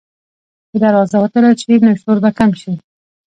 که دروازه وتړل شي، نو شور به کم شي.